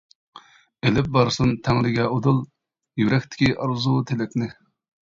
ئېلىپ بارسۇن تەڭرىگە ئۇدۇل، يۈرەكتىكى ئارزۇ تىلەكنى.